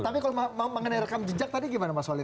tapi kalau mengenai rekam jejak tadi gimana mas wali